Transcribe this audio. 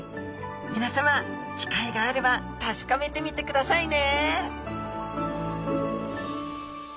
皆さま機会があれば確かめてみてくださいね！